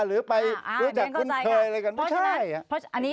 หรือไปรู้จักคุ้นเคยอะไรกันไม่ใช่